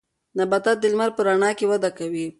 نباتات د لمر په رڼا کې وده کوي.